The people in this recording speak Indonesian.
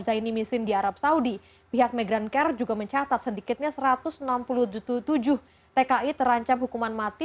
zaini misrin di arab saudi pihak migrancare juga mencatat sedikitnya satu ratus enam puluh tujuh tki terancam hukuman mati